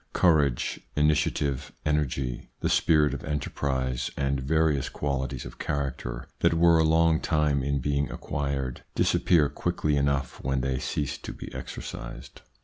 Courage, initiative, energy, the spirit of enterprise, and various qualities of character that were a long time in being acquired disappear quickly enough when they cease to be exercised.